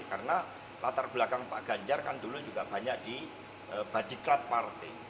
karena latar belakang pak ganjar kan dulu juga banyak di body clad partai